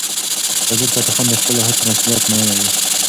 وزیرفتح خان د خپلو هڅو مسؤلیت منلی و.